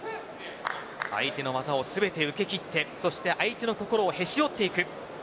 相手の技を全て受け切って、そして相手の心をへし折っていく。